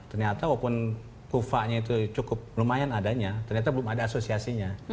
ternyata walaupun kufanya itu cukup lumayan adanya ternyata belum ada asosiasinya